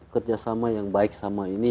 kerjasama yang baik sama ini